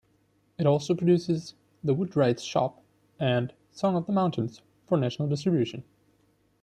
It also produces "The Woodwright's Shop" and "Song of the Mountains" for national distribution.